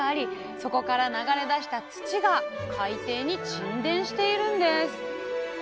そこから流れ出した土が海底に沈澱しているんです。